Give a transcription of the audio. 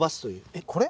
えっこれ？